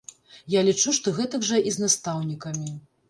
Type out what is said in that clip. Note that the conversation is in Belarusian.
Я лічу, што гэтак жа і з настаўнікамі.